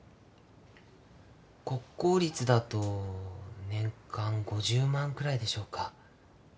国公立だと年間５０万くらいでしょうか。